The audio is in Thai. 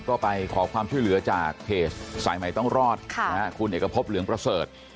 ก็ไปขอความช่วยเหลือจากเพจสายใหม่ต้องรอดคุณเอกพบเหลืองประเสริฐ